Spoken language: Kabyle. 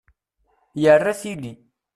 Yerra tili.